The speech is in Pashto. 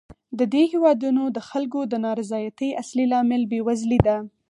د دې هېوادونو د خلکو د نا رضایتۍ اصلي لامل بېوزلي ده.